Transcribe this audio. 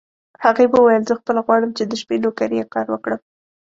هغې وویل: زه خپله غواړم چې د شپې نوکري یا کار وکړم.